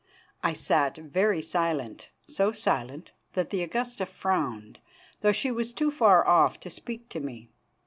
I sat very silent, so silent that the Augusta frowned, though she was too far off to speak to me.